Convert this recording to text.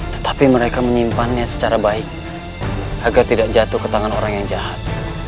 tetapi mereka menyimpannya secara baik agar tidak jatuh ke tangan orang yang jahat